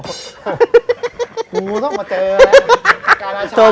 ทุกคนต้องมาเจออะไร